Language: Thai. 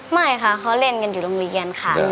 ไม่ค่ะเขาเล่นกันอยู่โรงเรียนค่ะ